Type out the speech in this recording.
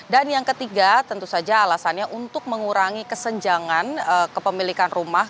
dan yang ketiga tentu saja alasannya untuk mengurangi kesenjangan kepemilikan rumah